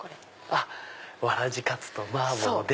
わらじかつと麻婆で。